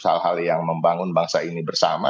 hal hal yang membangun bangsa ini bersama